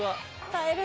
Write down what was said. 耐える？